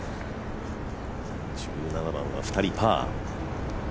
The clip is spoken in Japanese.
１７番は２人パー。